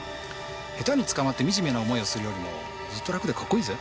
下手に捕まって惨めな思いをするよりもずっと楽でかっこいいぜ。